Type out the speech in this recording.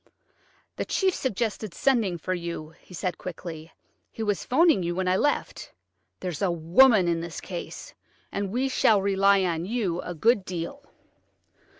"The chief suggested sending for you," he said quickly; "he was 'phoning you when I left. There's a woman in this case, and we shall rely on you a good deal."